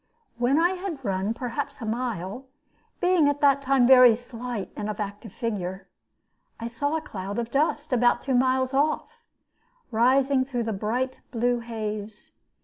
When I had run perhaps a mile (being at that time very slight, and of active figure), I saw a cloud of dust, about two miles off, rising through the bright blue haze.